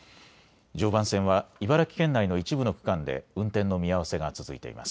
常磐線は茨城県内の一部の区間で運転の見合わせが続いています。